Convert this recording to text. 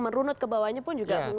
merunut ke bawahnya pun juga